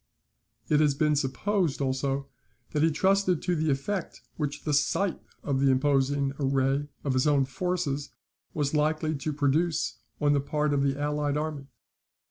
It has been supposed, also, that he trusted to the effect which the sight of the imposing array of his own forces was likely to produce on the part of the allied army.